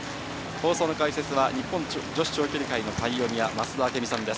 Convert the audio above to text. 解説は日本女子長距離界のパイオニア、増田明美さんです。